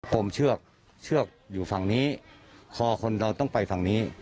มเชือกเชือกอยู่ฝั่งนี้คอคนเราต้องไปฝั่งนี้